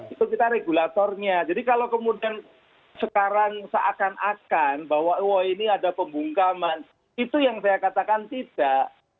itu kita regulatornya jadi kalau kemudian sekarang seakan akan bahwa oh ini ada pembungkaman itu yang saya katakan tidak